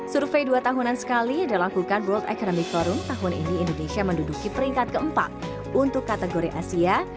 survei dua tahunan sekali dan lakukan world economic forum tahun ini indonesia menduduki peringkat ke empat untuk kategori asia